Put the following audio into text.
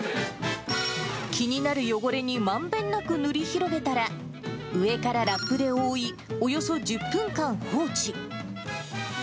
気になる汚れにまんべんなくぬり広げたら、上からラップで覆い、およそ１０分間放置。